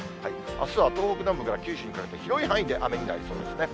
あすは東北南部から九州にかけて、広い範囲で雨になりそうですね。